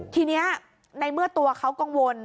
ทีนี้ในเมื่อตัวเขากังวล